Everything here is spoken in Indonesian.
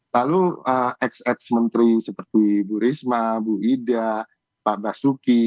lalu ex ex menteri seperti bu risma bu ida pak basuki